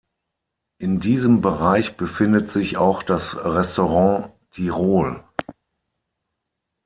In diesem Bereich befindet sich auch das Restaurant Tirol.